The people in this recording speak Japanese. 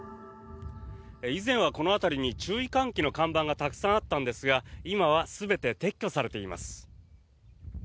以前はこの辺りに注意喚起の看板がたくさんあったんですが今は全て撤去されています。